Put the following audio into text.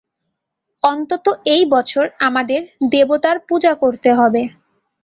অন্তত এই বছর আমাদের দেবতার পূজা করতে হবে।